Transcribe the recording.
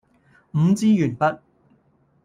五支鉛筆